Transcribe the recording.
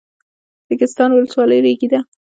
ریګستان ولسوالۍ ریګي ده؟